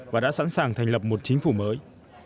và đã sẵn sàng thành lập một chính phủ mới